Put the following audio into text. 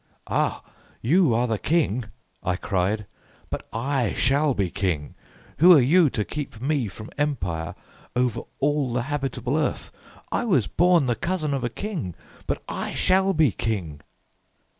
"Ah, you are the King," I cried, "but I shall be King. Who are you to keep me from Empire over all the habitable earth! I was born the cousin of a king, but I shall be King!"